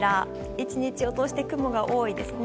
１日を通して雲が多いですね。